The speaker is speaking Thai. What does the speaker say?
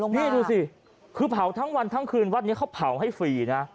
นี่ดูสิคือเผาทั้งวันทั้งคืนวัดนี้เขาเผาให้ฟรีนะ